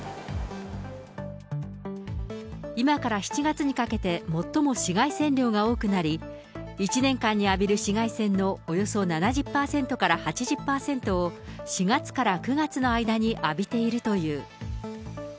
今から７月にかけて、最も紫外線量が多くなり、１年間に浴びる紫外線のおよそ７０％から８０％を、４月から９月の間に浴びているという。